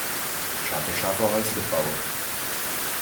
Schaffe schaffe Häusle baue.